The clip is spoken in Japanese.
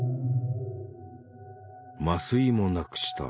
麻酔も無くした。